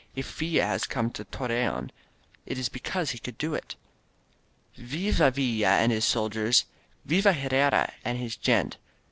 If Villa has come to Torreon, It is because he could do it! Viva ViUa and his soldiers! Viva Herrera and his gente!